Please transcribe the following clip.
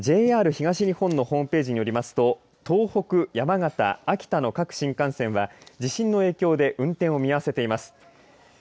ＪＲ東日本のホームページによりますと東北、山形、秋田の各新幹線は地震の影響で運転を見合わせています。